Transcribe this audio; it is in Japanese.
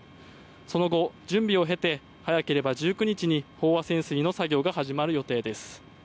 その後、準備を経て早ければ１９日に飽和潜水の作業が始まる予定です。